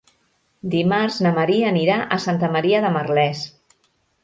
Dimarts na Maria anirà a Santa Maria de Merlès.